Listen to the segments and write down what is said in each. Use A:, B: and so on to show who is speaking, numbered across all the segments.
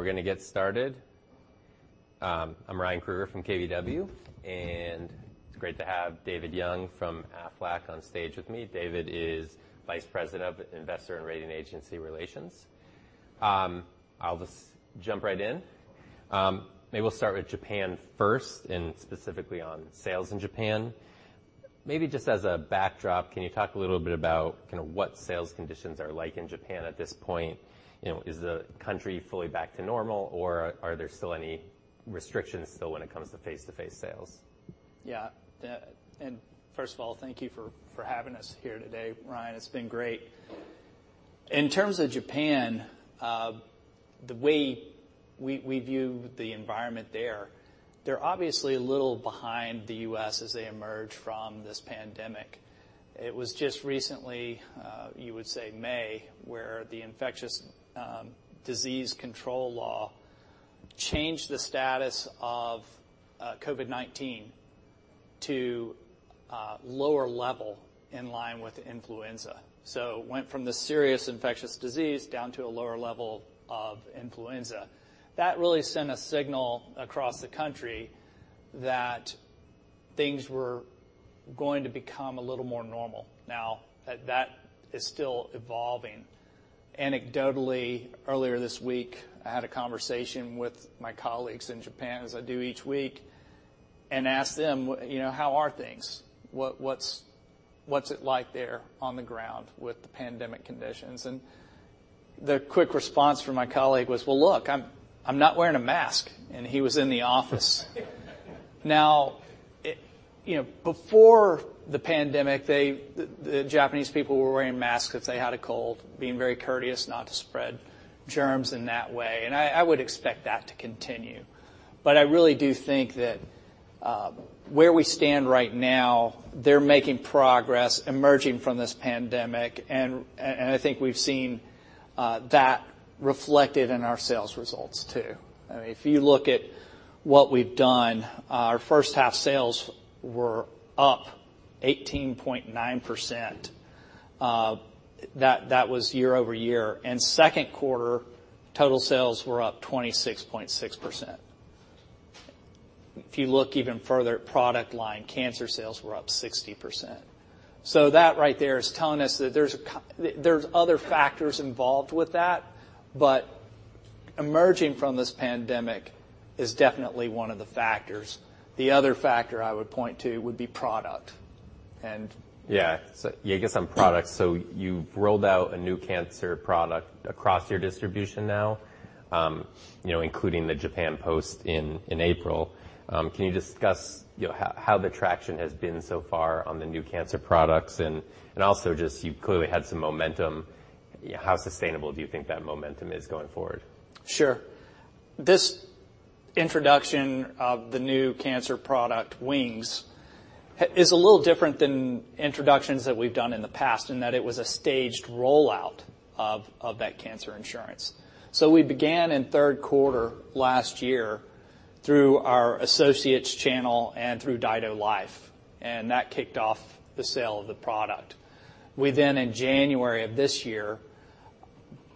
A: All right. We're going to get started. I'm Ryan Krueger from KBW, and it's great to have David Young from Aflac on stage with me. David is Vice President of Investor and Rating Agency Relations. I'll just jump right in. Maybe we'll start with Japan first, and specifically on sales in Japan. Maybe just as a backdrop, can you talk a little bit about what sales conditions are like in Japan at this point? Is the country fully back to normal, or are there still any restrictions still when it comes to face-to-face sales?
B: Yeah. First of all, thank you for having us here today, Ryan. It's been great. In terms of Japan, the way we view the environment there, they're obviously a little behind the U.S. as they emerge from this pandemic. It was just recently, you would say May, where the Infectious Diseases Control Law changed the status of COVID-19 to a lower level in line with influenza. It went from this serious infectious disease down to a lower level of influenza. That really sent a signal across the country that things were going to become a little more normal. That is still evolving. Anecdotally, earlier this week, I had a conversation with my colleagues in Japan, as I do each week, and asked them, "How are things? What's it like there on the ground with the pandemic conditions?" The quick response from my colleague was, "Well, look, I'm not wearing a mask." He was in the office. Before the pandemic, the Japanese people were wearing masks if they had a cold, being very courteous not to spread germs in that way. I would expect that to continue. I really do think that where we stand right now, they're making progress emerging from this pandemic, and I think we've seen that reflected in our sales results, too. If you look at what we've done, our first half sales were up 18.9%. That was year-over-year. Second quarter, total sales were up 26.6%. If you look even further at product line, cancer sales were up 60%. That right there is telling us that there's other factors involved with that, but emerging from this pandemic is definitely one of the factors. The other factor I would point to would be product.
A: Yeah. I guess on product, you've rolled out a new cancer product across your distribution now, including the Japan Post in April. Can you discuss how the traction has been so far on the new cancer products? Also just you've clearly had some momentum. How sustainable do you think that momentum is going forward?
B: Sure. This introduction of the new cancer product, Wings, is a little different than introductions that we've done in the past, in that it was a staged rollout of that cancer insurance. We began in third quarter last year through our associates channel and through Dai-ichi Life, that kicked off the sale of the product. In January of this year,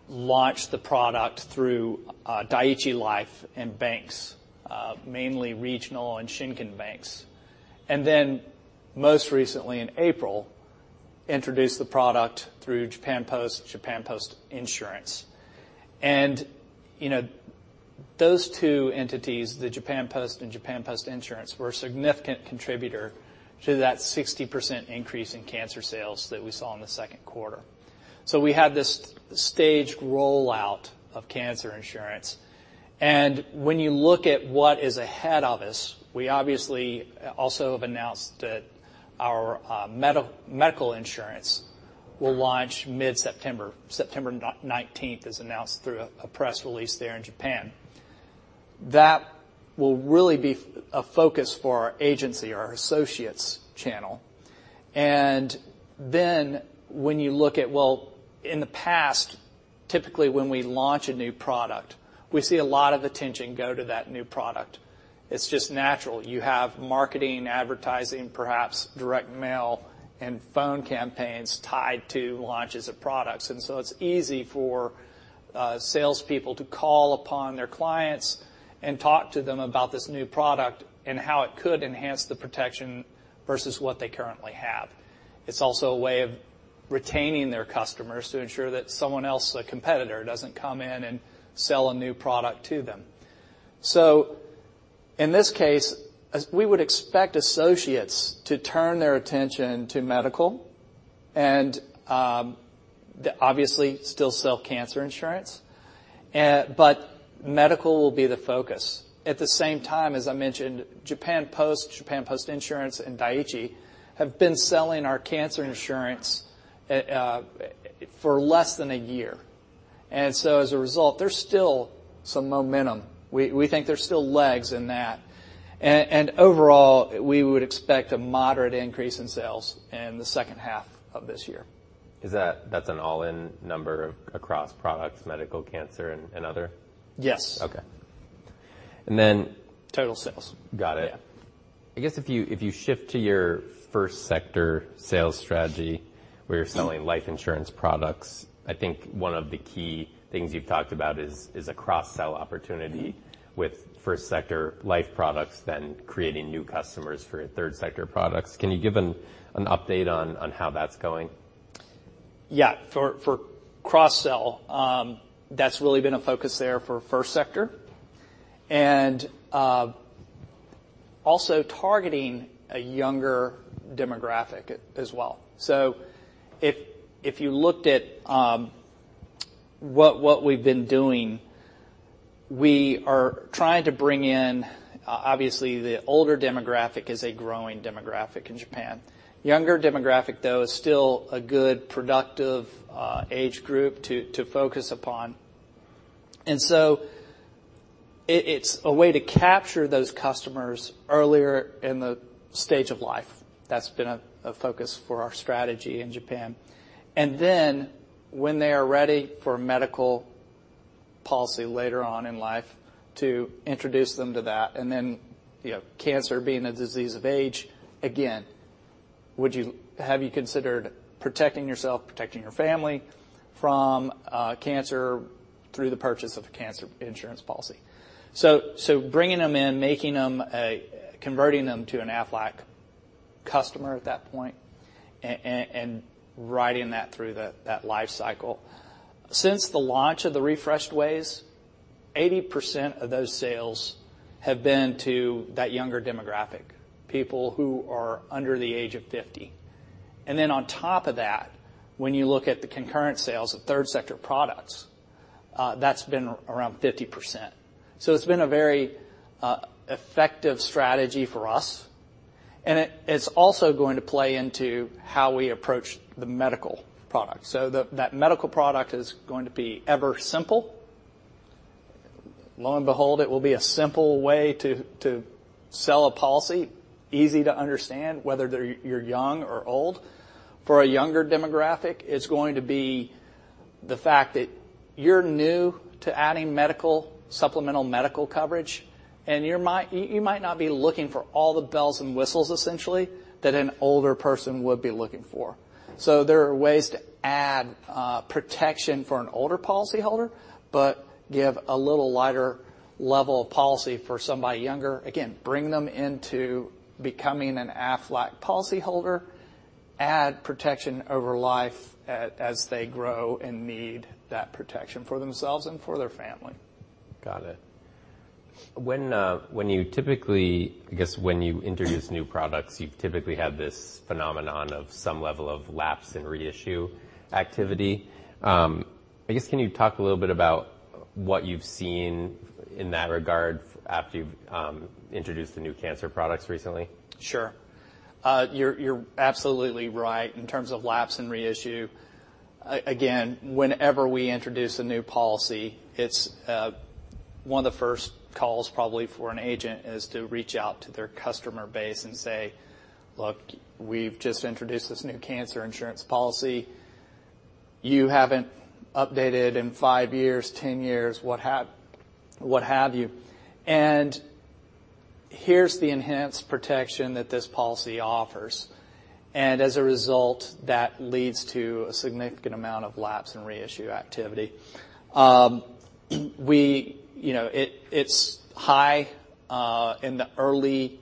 B: launched the product through Dai-ichi Life and banks, mainly regional and Shinkin banks. Most recently in April, introduced the product through Japan Post, Japan Post Insurance. Those two entities, the Japan Post and Japan Post Insurance, were a significant contributor to that 60% increase in cancer sales that we saw in the second quarter. We had this staged rollout of cancer insurance. When you look at what is ahead of us, we obviously also have announced that our medical insurance will launch mid-September. September 19th, as announced through a press release there in Japan. That will really be a focus for our agency, our associates channel. When you look at, well, in the past, typically when we launch a new product, we see a lot of attention go to that new product. It's just natural. You have marketing, advertising, perhaps direct mail and phone campaigns tied to launches of products. It's easy for salespeople to call upon their clients and talk to them about this new product and how it could enhance the protection versus what they currently have. It's also a way of retaining their customers to ensure that someone else, a competitor, doesn't come in and sell a new product to them. In this case, we would expect associates to turn their attention to medical, obviously still sell cancer insurance, but medical will be the focus. At the same time, as I mentioned, Japan Post, Japan Post Insurance, and Dai-ichi have been selling our cancer insurance for less than a year. As a result, there's still some momentum. We think there's still legs in that. Overall, we would expect a moderate increase in sales in the second half of this year.
A: That's an all-in number across products, medical, cancer, and other?
B: Yes.
A: Okay. Then.
B: Total sales.
A: Got it.
B: Yeah.
A: I guess if you shift to your first sector sales strategy where you're selling life insurance products, I think one of the key things you've talked about is a cross-sell opportunity with first sector life products, then creating new customers for your third sector products. Can you give an update on how that's going?
B: Yeah. For cross-sell, that's really been a focus there for first sector, and also targeting a younger demographic as well. If you looked at what we've been doing, we are trying to bring in. Obviously, the older demographic is a growing demographic in Japan. Younger demographic, though, is still a good, productive age group to focus upon. It's a way to capture those customers earlier in the stage of life. That's been a focus for our strategy in Japan. When they are ready for a medical policy later on in life, to introduce them to that, and then cancer being a disease of age, again, have you considered protecting yourself, protecting your family from cancer through the purchase of a cancer insurance policy? Bringing them in, converting them to an Aflac customer at that point, and riding that through that life cycle. Since the launch of the Refreshed WAYS, 80% of those sales have been to that younger demographic, people who are under the age of 50. On top of that, when you look at the concurrent sales of third sector products, that's been around 50%. It's been a very effective strategy for us, and it's also going to play into how we approach the medical product. That medical product is going to be EVER Simple. Lo and behold, it will be a simple way to sell a policy, easy to understand, whether you're young or old. For a younger demographic, it's going to be the fact that you're new to adding medical, supplemental medical coverage, and you might not be looking for all the bells and whistles essentially that an older person would be looking for. There are ways to add protection for an older policyholder, but give a little lighter level of policy for somebody younger. Again, bring them into becoming an Aflac policyholder, add protection over life as they grow and need that protection for themselves and for their family.
A: Got it. When you introduce new products, you typically have this phenomenon of some level of lapse and reissue activity. I guess, can you talk a little bit about what you've seen in that regard after you've introduced the new cancer products recently?
B: Sure. You're absolutely right in terms of lapse and reissue. Again, whenever we introduce a new policy, one of the first calls probably for an agent is to reach out to their customer base and say, "Look, we've just introduced this new cancer insurance policy. You haven't updated in five years, 10 years," what have you, "and here's the enhanced protection that this policy offers." As a result, that leads to a significant amount of lapse and reissue activity. It's high in the early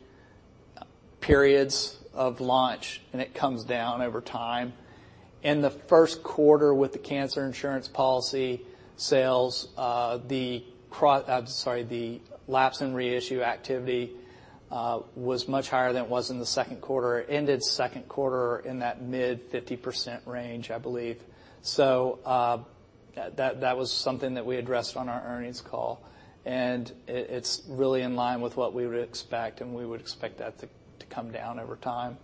B: periods of launch, and it comes down over time. In the first quarter with the cancer insurance policy sales, the lapse and reissue activity was much higher than it was in the second quarter. It ended second quarter in that mid-50% range, I believe. That was something that we addressed on our earnings call, and it's really in line with what we would expect, and we would expect that to come down over time.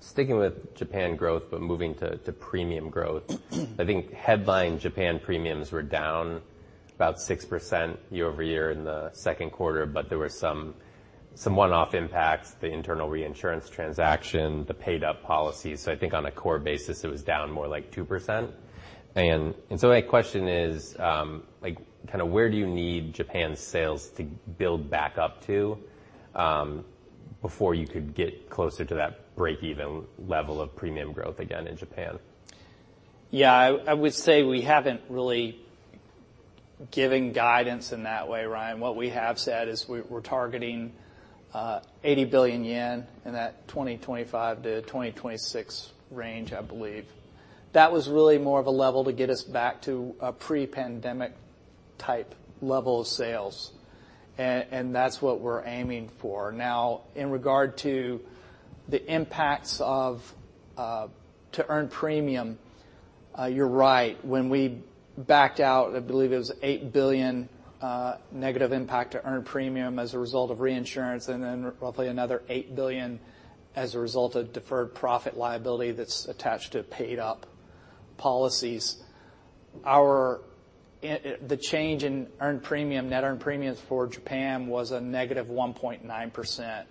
A: Sticking with Japan growth, but moving to premium growth, I think headline Japan premiums were down about 6% year-over-year in the second quarter, but there were some one-off impacts, the internal reinsurance transaction, the paid-up policy. I think on a core basis, it was down more like 2%. My question is kind of where do you need Japan's sales to build back up to before you could get closer to that break-even level of premium growth again in Japan?
B: Yeah. I would say we haven't really given guidance in that way, Ryan. What we have said is we're targeting 80 billion yen in that 2025 to 2026 range, I believe. That was really more of a level to get us back to a pre-pandemic type level of sales. And that's what we're aiming for. In regard to the impacts to earn premium, you're right. When we backed out, I believe it was 8 billion negative impact to earn premium as a result of reinsurance, and then roughly another 8 billion as a result of deferred profit liability that's attached to paid-up policies. The change in earned premium, net earned premiums for Japan was a negative 1.9%.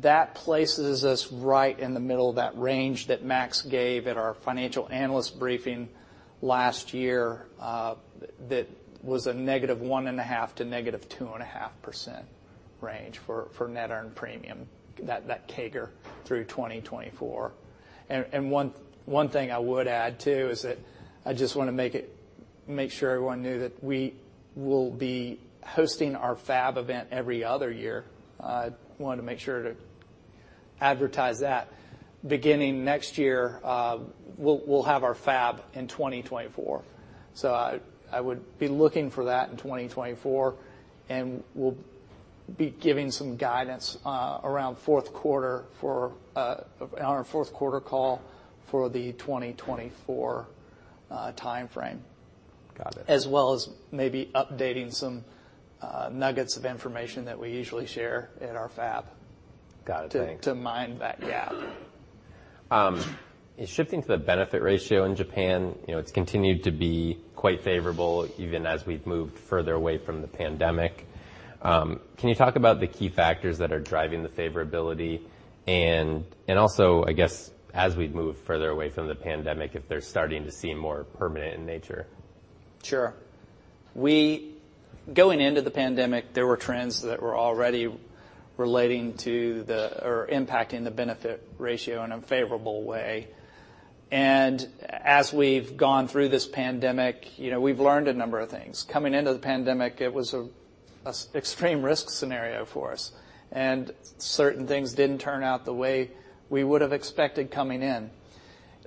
B: That places us right in the middle of that range that Max gave at our financial analyst briefing last year. That was a -1.5% to -2.5% range for net earned premium, that CAGR through 2024. One thing I would add, too, is that I just want to make sure everyone knew that we will be hosting our FAB event every other year. I wanted to make sure to advertise that. Beginning next year, we'll have our FAB in 2024. I would be looking for that in 2024, and we'll be giving some guidance around our fourth quarter call for the 2024 timeframe.
A: Got it.
B: As well as maybe updating some nuggets of information that we usually share at our FAB.
A: Got it. Thanks
B: to mine that gap.
A: Shifting to the benefit ratio in Japan, it's continued to be quite favorable even as we've moved further away from the pandemic. Can you talk about the key factors that are driving the favorability, and also, I guess, as we move further away from the pandemic, if they're starting to seem more permanent in nature?
B: Sure. Going into the pandemic, there were trends that were already relating to or impacting the benefit ratio in a favorable way. As we've gone through this pandemic, we've learned a number of things. Coming into the pandemic, it was an extreme risk scenario for us, and certain things didn't turn out the way we would have expected coming in.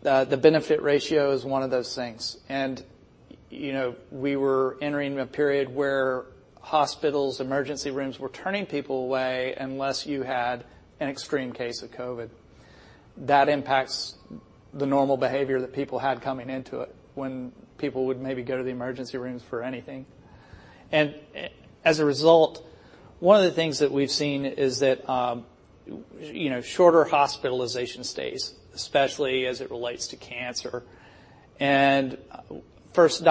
B: The benefit ratio is one of those things, and we were entering a period where hospitals, emergency rooms were turning people away unless you had an extreme case of COVID. That impacts the normal behavior that people had coming into it when people would maybe go to the emergency rooms for anything. As a result, one of the things that we've seen is that shorter hospitalization stays, especially as it relates to cancer, and first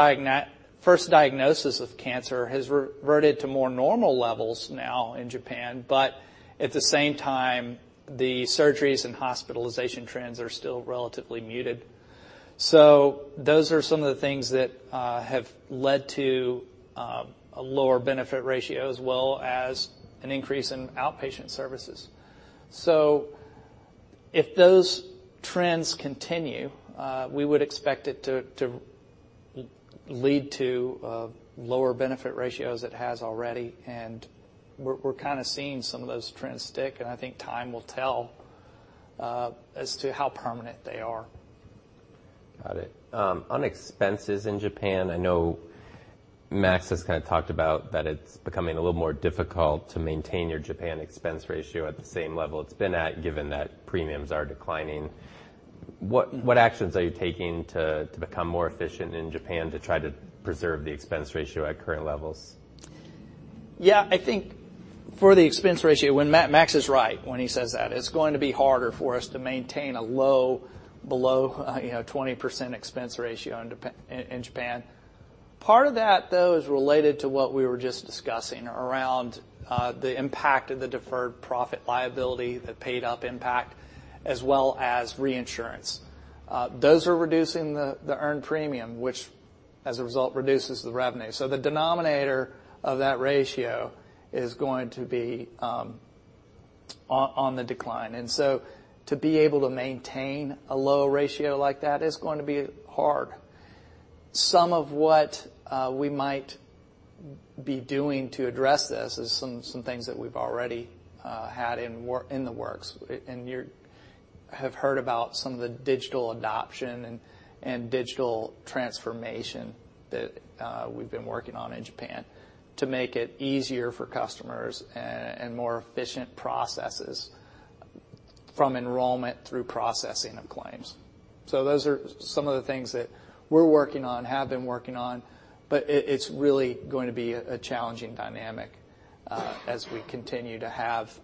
B: diagnosis of cancer has reverted to more normal levels now in Japan. At the same time, the surgeries and hospitalization trends are still relatively muted. Those are some of the things that have led to a lower benefit ratio as well as an increase in outpatient services. If those trends continue, we would expect it to lead to lower benefit ratios. It has already, and we're kind of seeing some of those trends stick, and I think time will tell as to how permanent they are.
A: Got it. On expenses in Japan, I know Max has kind of talked about that it's becoming a little more difficult to maintain your Japan expense ratio at the same level it's been at, given that premiums are declining. What actions are you taking to become more efficient in Japan to try to preserve the expense ratio at current levels?
B: I think for the expense ratio, Max is right when he says that. It's going to be harder for us to maintain a low below 20% expense ratio in Japan. Part of that, though, is related to what we were just discussing around the impact of the deferred profit liability, the paid-up impact, as well as reinsurance. Those are reducing the earned premium, which as a result reduces the revenue. The denominator of that ratio is going to be on the decline, to be able to maintain a low ratio like that is going to be hard. Some of what we might be doing to address this is some things that we've already had in the works, you have heard about some of the digital adoption and digital transformation that we've been working on in Japan to make it easier for customers and more efficient processes from enrollment through processing of claims. It's really going to be a challenging dynamic as we continue to have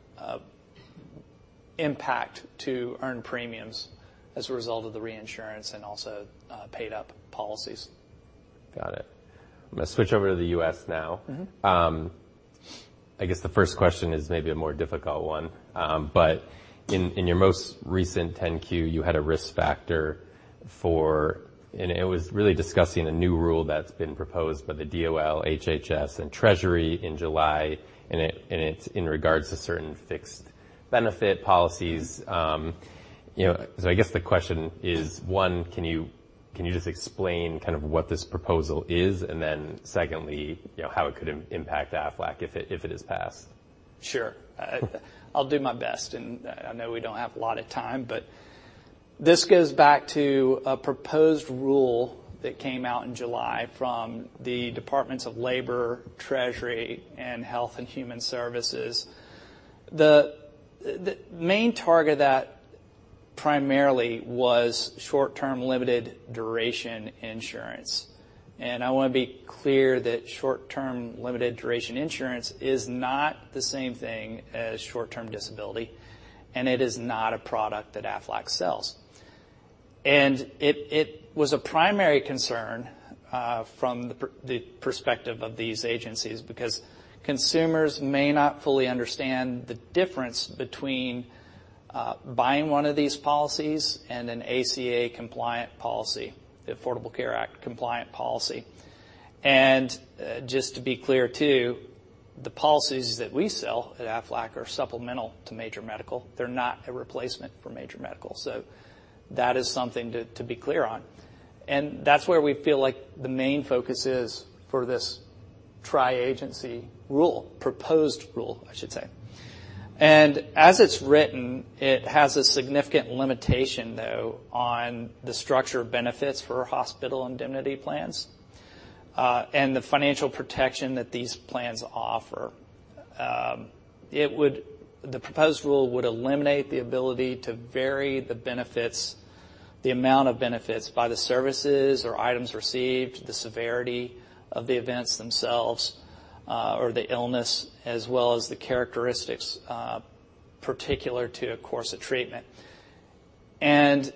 B: impact to earn premiums as a result of the reinsurance and also paid-up policies.
A: Got it. I'm going to switch over to the U.S. now. I guess the first question is maybe a more difficult one. In your most recent 10-Q, you had a risk factor for, and it was really discussing a new rule that's been proposed by the DOL, HHS, and Treasury in July, and it's in regards to certain fixed benefit policies. I guess the question is, one, can you just explain kind of what this proposal is, and then secondly, how it could impact Aflac if it is passed?
B: Sure. I'll do my best, and I know we don't have a lot of time, but this goes back to a proposed rule that came out in July from the Departments of Labor, Treasury, and Health and Human Services. The main target of that primarily was short-term limited duration insurance. I want to be clear that short-term limited duration insurance is not the same thing as short-term disability, and it is not a product that Aflac sells. It was a primary concern from the perspective of these agencies, because consumers may not fully understand the difference between buying one of these policies and an ACA-compliant policy, the Affordable Care Act-compliant policy. Just to be clear too, the policies that we sell at Aflac are supplemental to major medical. They're not a replacement for major medical. That is something to be clear on. That's where we feel like the main focus is for this tri-agency rule, proposed rule, I should say. As it's written, it has a significant limitation, though, on the structure of benefits for hospital indemnity plans, and the financial protection that these plans offer. The proposed rule would eliminate the ability to vary the amount of benefits by the services or items received, the severity of the events themselves, or the illness, as well as the characteristics particular to a course of treatment. In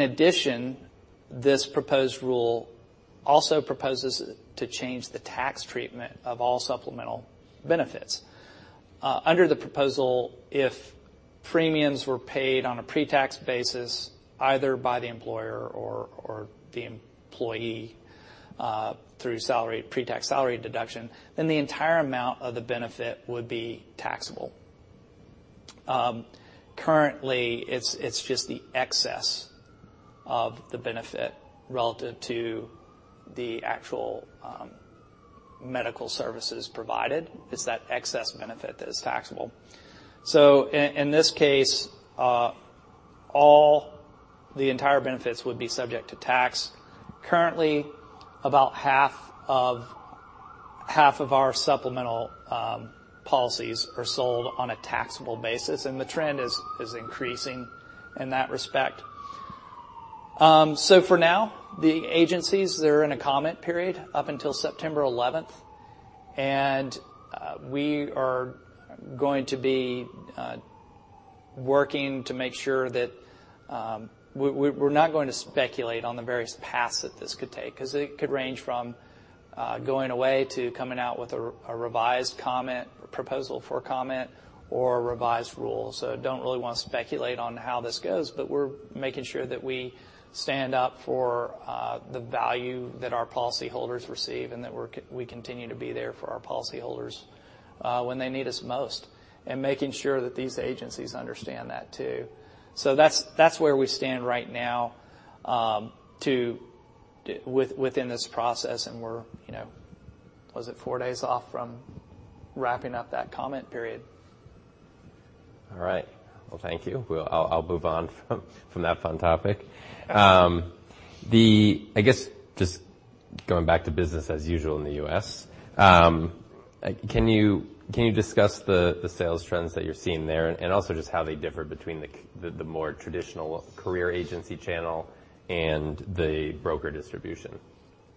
B: addition, this proposed rule also proposes to change the tax treatment of all supplemental benefits. Under the proposal, if premiums were paid on a pre-tax basis, either by the employer or the employee, through pre-tax salary deduction, then the entire amount of the benefit would be taxable. Currently, it's just the excess of the benefit relative to the actual medical services provided. It's that excess benefit that is taxable. In this case, all the entire benefits would be subject to tax. Currently, about half of our supplemental policies are sold on a taxable basis, and the trend is increasing in that respect. For now, the agencies, they're in a comment period up until September 11th. We are going to be working to make sure that. We're not going to speculate on the various paths that this could take, because it could range from going away to coming out with a revised comment or proposal for comment or a revised rule. Don't really want to speculate on how this goes. We're making sure that we stand up for the value that our policyholders receive and that we continue to be there for our policyholders when they need us most, and making sure that these agencies understand that too. That's where we stand right now within this process, we're, was it four days off from wrapping up that comment period?
A: All right. Thank you. I'll move on from that fun topic. I guess just going back to business as usual in the U.S., can you discuss the sales trends that you're seeing there and also just how they differ between the more traditional career agency channel and the broker distribution?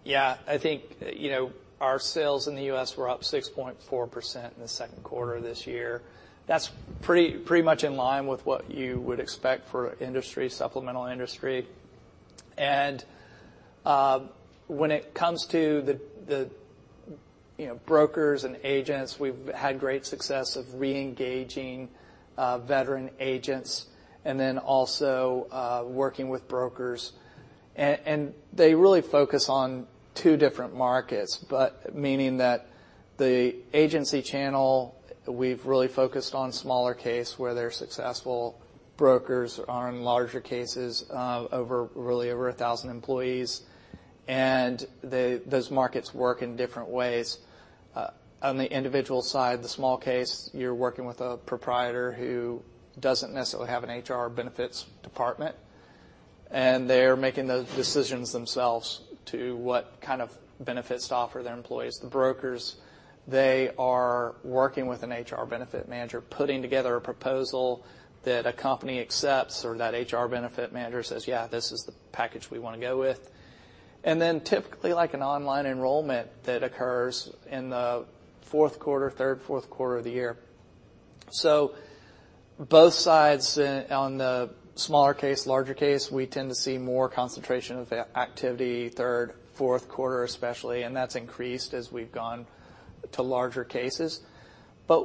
B: I think our sales in the U.S. were up 6.4% in the second quarter of this year. That's pretty much in line with what you would expect for industry, supplemental industry. When it comes to the brokers and agents, we've had great success of re-engaging veteran agents and then also working with brokers. They really focus on two different markets, but meaning that the agency channel, we've really focused on smaller case where their successful brokers are in larger cases of really over 1,000 employees, and those markets work in different ways. On the individual side, the small case, you're working with a proprietor who doesn't necessarily have an HR benefits department, and they're making those decisions themselves to what kind of benefits to offer their employees. The brokers, they are working with an HR benefit manager, putting together a proposal that a company accepts or that HR benefit manager says, "Yeah, this is the package we want to go with." Typically like an online enrollment that occurs in the third, fourth quarter of the year. Both sides on the smaller case, larger case, we tend to see more concentration of the activity third, fourth quarter especially, and that's increased as we've gone to larger cases.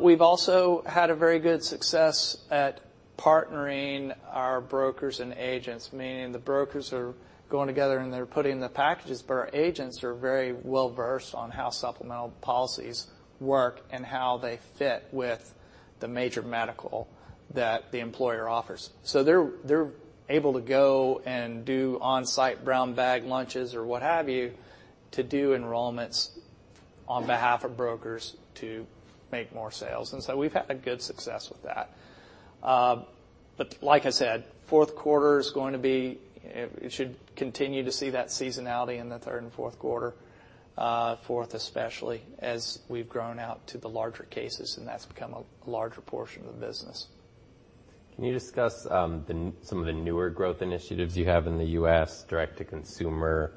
B: We've also had a very good success at partnering our brokers and agents, meaning the brokers are going together and they're putting the packages, but our agents are very well-versed on how supplemental policies work and how they fit with the major medical that the employer offers. They're able to go and do on-site brown bag lunches or what have you to do enrollments on behalf of brokers to make more sales. We've had a good success with that. Like I said, fourth quarter is going to be, it should continue to see that seasonality in the third and fourth quarter, fourth especially, as we've grown out to the larger cases, and that's become a larger portion of the business.
A: Can you discuss some of the newer growth initiatives you have in the U.S., direct to consumer,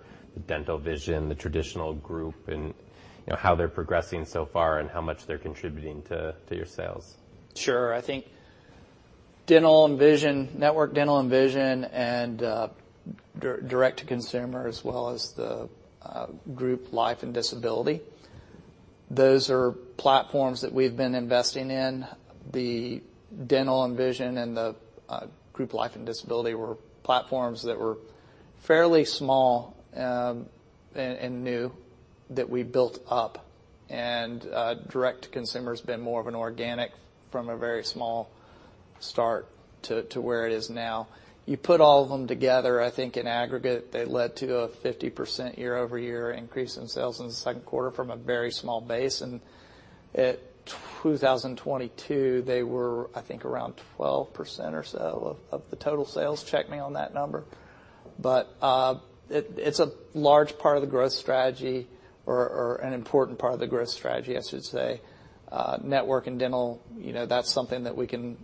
A: dental, vision, the traditional group, and how they're progressing so far and how much they're contributing to your sales?
B: Sure. I think Dental and vision, network dental and vision, and direct to consumer, as well as the group life and disability. Those are platforms that we've been investing in. The dental and vision and the group life and disability were platforms that were fairly small and new that we built up, and direct to consumer has been more of an organic from a very small start to where it is now. You put all of them together, I think in aggregate, they led to a 50% year-over-year increase in sales in the second quarter from a very small base. At 2022, they were, I think, around 12% or so of the total sales. Check me on that number. It's a large part of the growth strategy or an important part of the growth strategy, I should say. Network and dental, that's something that we can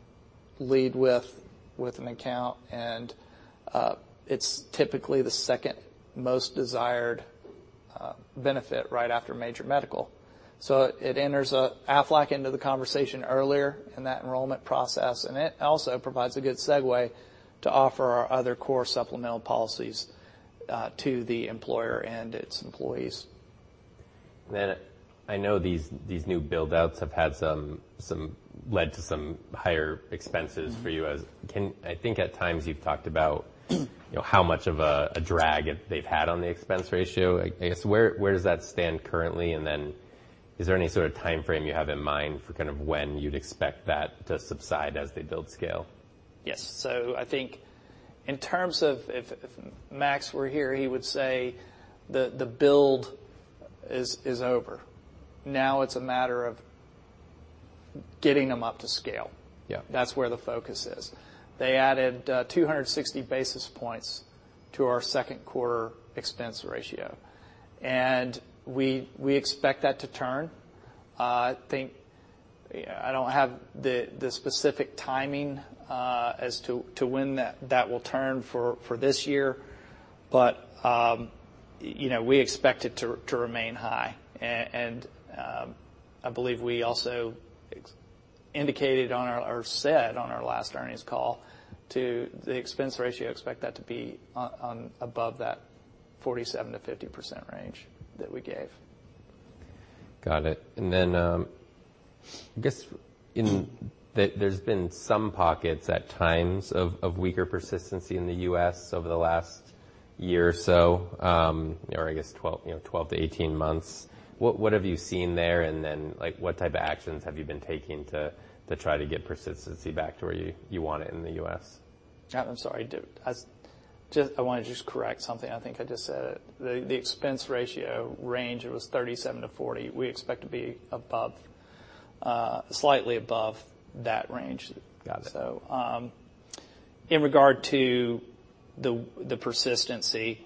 B: lead with an account, it's typically the second most desired benefit right after major medical. It enters Aflac into the conversation earlier in that enrollment process, it also provides a good segue to offer our other core supplemental policies to the employer and its employees.
A: I know these new build-outs have led to some higher expenses for you as I think at times you've talked about how much of a drag they've had on the expense ratio. I guess where does that stand currently, is there any sort of time frame you have in mind for kind of when you'd expect that to subside as they build scale?
B: Yes. I think in terms of if Max were here, he would say the build is over. Now it's a matter of getting them up to scale.
A: Yeah.
B: That's where the focus is. They added 260 basis points to our second quarter expense ratio, we expect that to turn. I don't have the specific timing as to when that will turn for this year, we expect it to remain high. I believe we also indicated or said on our last earnings call to the expense ratio, expect that to be above that 47%-50% range that we gave.
A: Got it. I guess there's been some pockets at times of weaker persistency in the U.S. over the last year or so, or I guess 12-18 months. What have you seen there, and what type of actions have you been taking to try to get persistency back to where you want it in the U.S.?
B: I'm sorry. I want to just correct something. I think I just said the expense ratio range, it was 37-40. We expect to be slightly above that range.
A: Got it.
B: In regard to the persistency,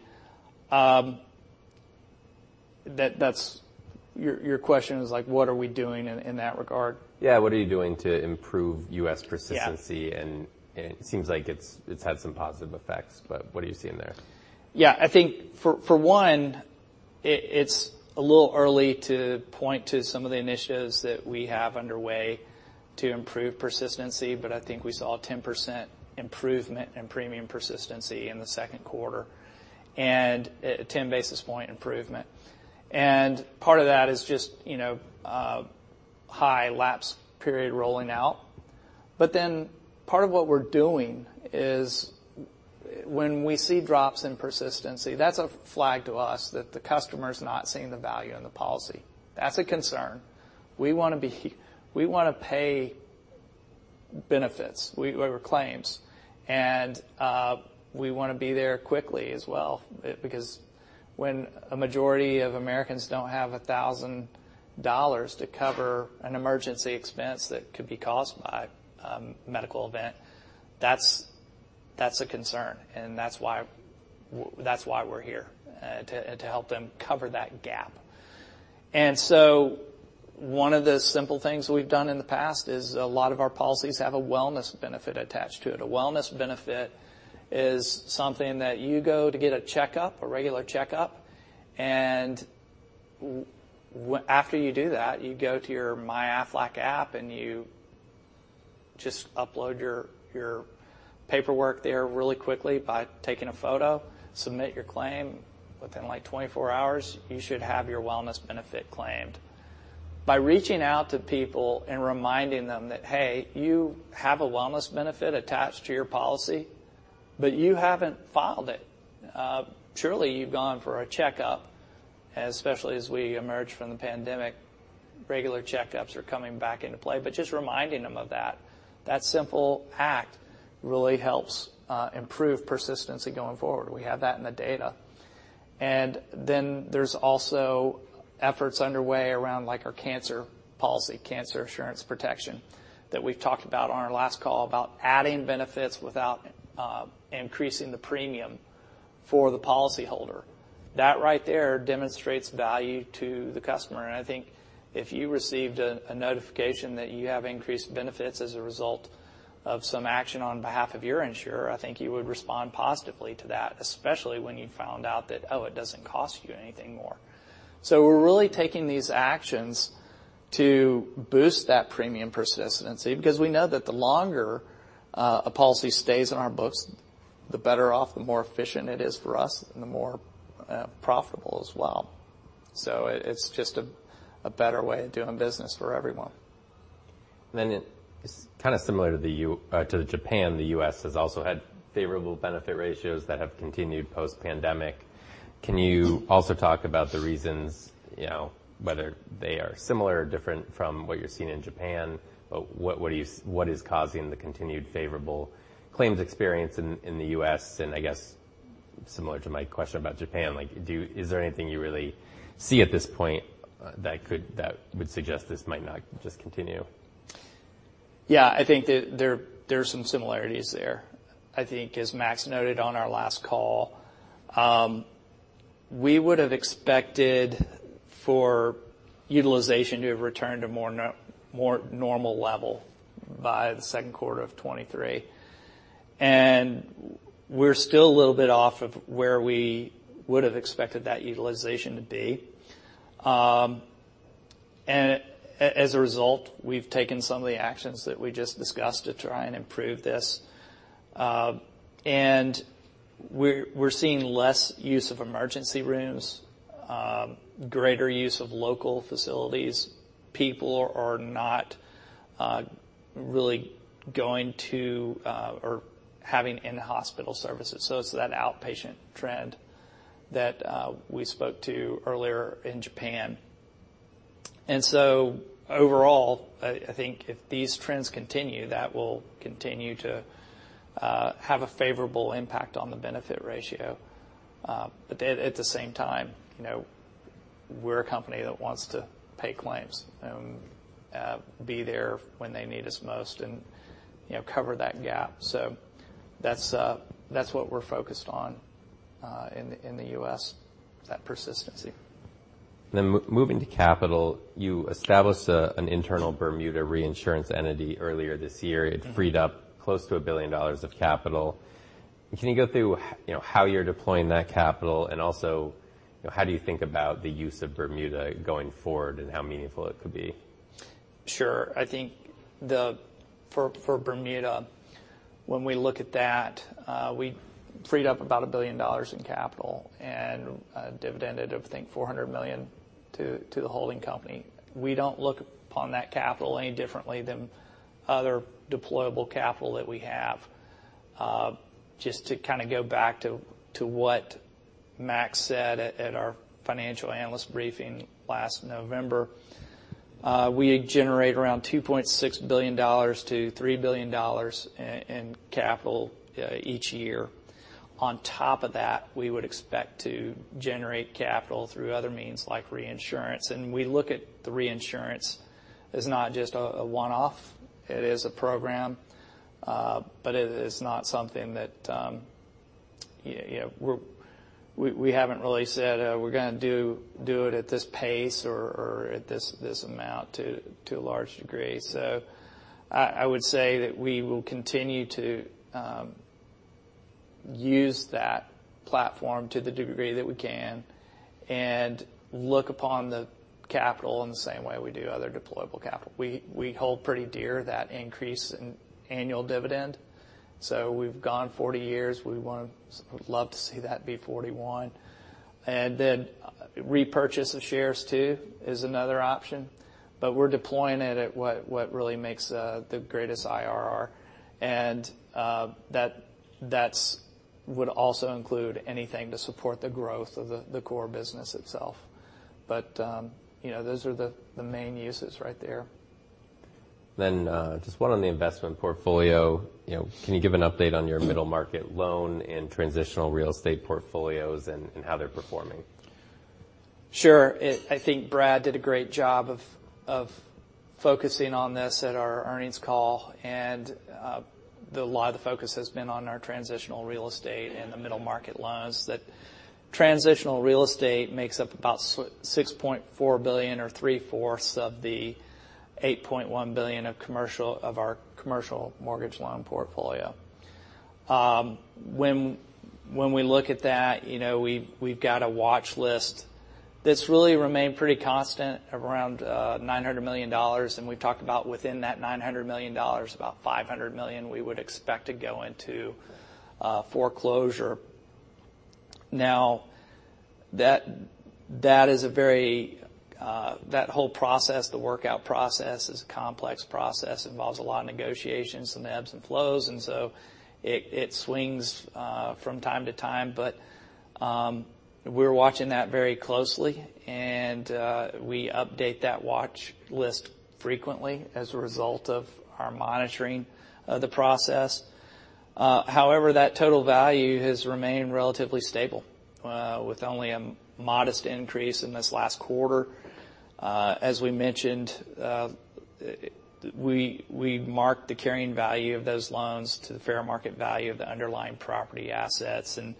B: your question is like, what are we doing in that regard?
A: Yeah. What are you doing to improve U.S. persistency?
B: Yeah.
A: It seems like it's had some positive effects, what are you seeing there?
B: Yeah. I think for one, it's a little early to point to some of the initiatives that we have underway to improve persistency. I think we saw a 10% improvement in premium persistency in the second quarter and a 10-basis point improvement. Part of that is just high lapse period rolling out. Part of what we're doing is when we see drops in persistency, that's a flag to us that the customer's not seeing the value in the policy. That's a concern. We want to pay benefits over claims, and we want to be there quickly as well. Because when a majority of Americans don't have $1,000 to cover an emergency expense that could be caused by a medical event, that's a concern, and that's why we're here, to help them cover that gap. One of the simple things we've done in the past is a lot of our policies have a wellness benefit attached to it. A wellness benefit is something that you go to get a checkup, a regular checkup, and after you do that, you go to your MyAflac app, and you just upload your paperwork there really quickly by taking a photo, submit your claim. Within, like, 24 hours, you should have your wellness benefit claimed. By reaching out to people and reminding them that, "Hey, you have a wellness benefit attached to your policy, but you haven't filed it." Surely you've gone for a checkup, especially as we emerge from the pandemic, regular checkups are coming back into play. Just reminding them of that simple act really helps improve persistency going forward. We have that in the data. There's also efforts underway around our cancer policy, cancer assurance protection, that we've talked about on our last call about adding benefits without increasing the premium for the policyholder. That right there demonstrates value to the customer, and I think if you received a notification that you have increased benefits as a result of some action on behalf of your insurer, I think you would respond positively to that, especially when you found out that, oh, it doesn't cost you anything more. We're really taking these actions to boost that premium persistency, because we know that the longer a policy stays in our books, the better off, the more efficient it is for us, and the more profitable as well. It's just a better way of doing business for everyone.
A: It is kind of similar to Japan, the U.S. has also had favorable benefit ratios that have continued post-pandemic. Can you also talk about the reasons, whether they are similar or different from what you're seeing in Japan? What is causing the continued favorable claims experience in the U.S.? I guess similar to my question about Japan, is there anything you really see at this point that would suggest this might not just continue?
B: Yeah. I think there are some similarities there. I think as Max noted on our last call, we would have expected for utilization to have returned to more normal level by the second quarter of 2023. We're still a little bit off of where we would have expected that utilization to be. As a result, we've taken some of the actions that we just discussed to try and improve this. We're seeing less use of emergency rooms, greater use of local facilities. People are not really going to or having in-hospital services. It's that outpatient trend that we spoke to earlier in Japan. Overall, I think if these trends continue, that will continue to have a favorable impact on the benefit ratio. At the same time, we're a company that wants to pay claims, be there when they need us most, and cover that gap. That's what we're focused on in the U.S., that persistency.
A: Moving to capital, you established an internal Bermuda reinsurance entity earlier this year. It freed up close to $1 billion of capital. Can you go through how you're deploying that capital? Also, how do you think about the use of Bermuda going forward and how meaningful it could be?
B: Sure. I think for Bermuda, when we look at that, we freed up about $1 billion in capital and dividended, I think, $400 million to the holding company. We don't look upon that capital any differently than other deployable capital that we have. Just to kind of go back to what Max said at our financial analyst briefing last November, we generate around $2.6 billion to $3 billion in capital each year. On top of that, we would expect to generate capital through other means like reinsurance. We look at the reinsurance as not just a one-off. It is a program, but it is not something that we haven't really said we're going to do it at this pace or at this amount to a large degree. I would say that we will continue to use that platform to the degree that we can and look upon the capital in the same way we do other deployable capital. We hold pretty dear that increase in annual dividend. We've gone 40 years. We would love to see that be 41. Then repurchase of shares, too, is another option. We're deploying it at what really makes the greatest IRR. That would also include anything to support the growth of the core business itself. Those are the main uses right there.
A: Just one on the investment portfolio. Can you give an update on your middle market loan and transitional real estate portfolios and how they're performing?
B: Sure. I think Brad did a great job of focusing on this at our earnings call, a lot of the focus has been on our transitional real estate and the middle market loans. That transitional real estate makes up about $6.4 billion or three-fourths of the $8.1 billion of our commercial mortgage loan portfolio. When we look at that, we've got a watch list that's really remained pretty constant around $900 million. We've talked about within that $900 million, about $500 million we would expect to go into foreclosure. That whole process, the workout process, is a complex process. It involves a lot of negotiations and the ebbs and flows, it swings from time to time. We're watching that very closely, and we update that watch list frequently as a result of our monitoring of the process. However, that total value has remained relatively stable, with only a modest increase in this last quarter. As we mentioned, we mark the carrying value of those loans to the fair market value of the underlying property assets, and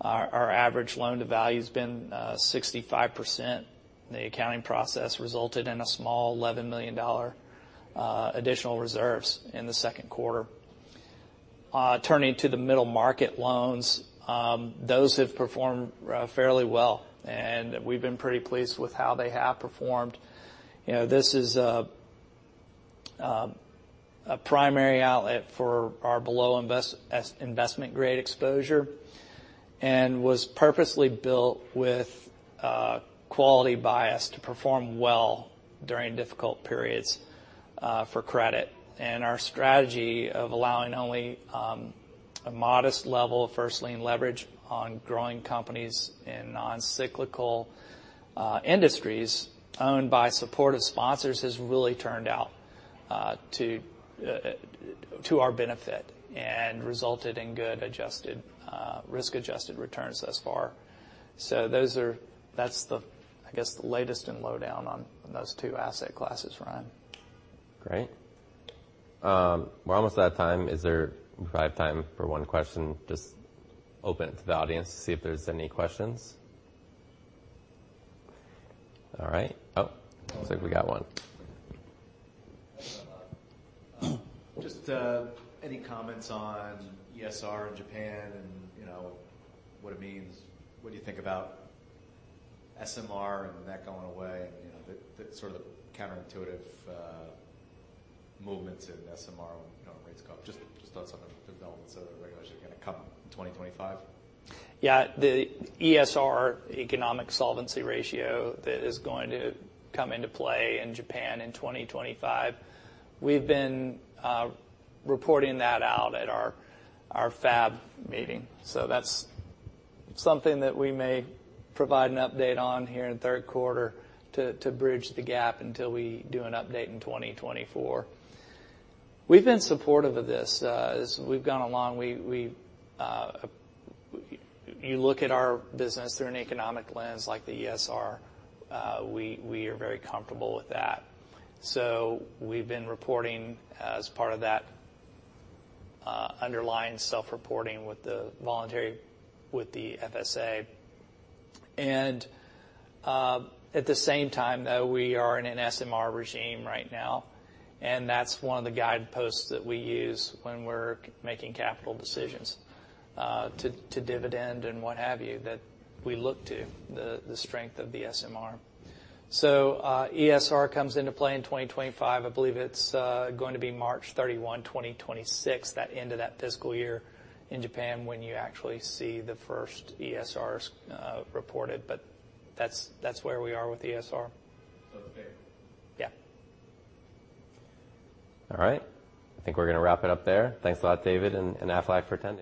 B: our average loan to value has been 65%. The accounting process resulted in a small $11 million additional reserves in the second quarter. Turning to the middle market loans, those have performed fairly well, and we've been pretty pleased with how they have performed. This is a primary outlet for our below-investment grade exposure and was purposely built with a quality bias to perform well during difficult periods for credit. Our strategy of allowing only a modest level of first lien leverage on growing companies in non-cyclical industries owned by supportive sponsors has really turned out to our benefit and resulted in good risk-adjusted returns thus far. I guess, the latest and lowdown on those two asset classes, Ryan.
A: Great. We're almost out of time. We probably have time for one question. Open it to the audience to see if there's any questions. All right. Looks like we got one.
C: Any comments on ESR in Japan and what it means? What do you think about SMR and that going away, and the sort of counterintuitive movement in SMR when rates go up? On some of the developments of the regulation going to come in 2025.
B: The ESR economic solvency ratio that is going to come into play in Japan in 2025, we've been reporting that out at our FAB meeting. That's something that we may provide an update on here in the third quarter to bridge the gap until we do an update in 2024. We've been supportive of this. As we've gone along, you look at our business through an economic lens like the ESR, we are very comfortable with that. We've been reporting as part of that underlying self-reporting with the voluntary with the FSA. At the same time, though, we are in an SMR regime right now, and that's one of the guideposts that we use when we're making capital decisions to dividend and what have you, that we look to the strength of the SMR. ESR comes into play in 2025. I believe it's going to be March 31, 2026, that end of that fiscal year in Japan when you actually see the first ESRs reported. That's where we are with ESR.
C: It's fair.
B: Yeah.
A: All right. I think we're going to wrap it up there. Thanks a lot, David, and Aflac for attending.